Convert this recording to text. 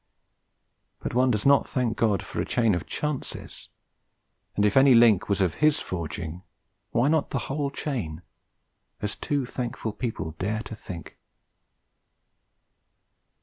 But one does not thank God for a chain of chances. And if any link was of His forging, why not the whole chain, as two thankful people dare to think?